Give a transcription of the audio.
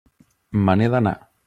Me n'he d'anar.